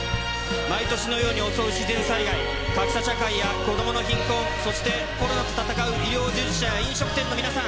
毎年のように襲う自然災害、格差社会や子どもの貧困、そしてコロナと闘う医療従事者や飲食店の皆さん。